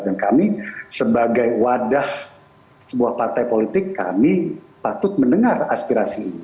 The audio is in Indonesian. kami sebagai wadah sebuah partai politik kami patut mendengar aspirasi ini